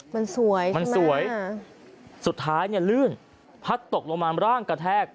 มันสวยมันสวยสุดท้ายเนี่ยลื่นพัดตกลงมาร่างกระแทก